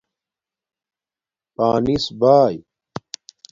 پانس بائ